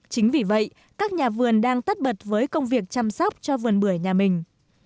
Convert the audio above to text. chính vì vậy các nhà vườn đang tất bật với công việc chăm sóc cho vườn bưởi nhà mình